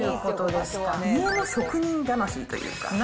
家の職人魂というか。